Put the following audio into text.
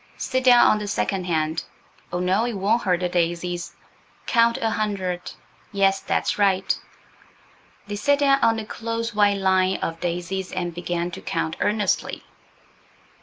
Sit down on the second hand–oh no, it won't hurt the daisies. Count a hundred–yes, that's right." They sat down on the close, white line of daisies and began to count earnestly.